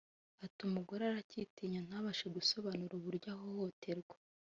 Ati “Umugore aracyitinya ntabashe gusobanura uburyo ahohoterwa